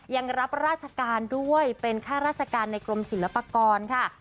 ยังรับราชการด้วยเป็นข้าราชการในกรมศิลปากรค่ะ